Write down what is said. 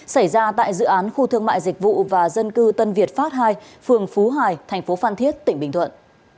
xảy ra tại dự án khu thương mại dịch vụ và dân cư tân việt pháp hai phường phú hải tp phan thiết tỉnh bình thuận